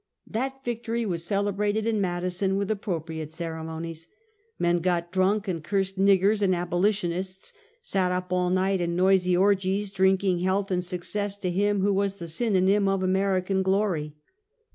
That victory was celebrated in Madison with appro priate ceremonies. Men got drunk and cursed " nig gers and abolitionists," sat up all night in noisy or gies drinking health and success to him who was the synonym of American glory.